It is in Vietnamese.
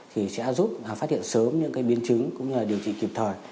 thì sẽ giúp phát hiện sớm những cái biến chứng cũng như là điều trị kịp thời